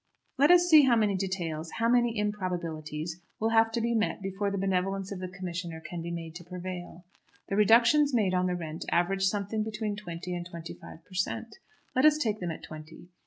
Let us see how many details, how many improbabilities, will have to be met before the benevolence of the commissioner can be made to prevail. The reductions made on the rent average something between twenty and twenty five per cent. Let us take them at twenty.